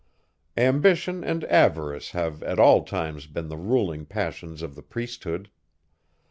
Ambition and avarice have at all times been the ruling passions of the priesthood.